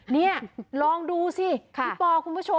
นี่ลองดูสิพี่ปอคุณผู้ชม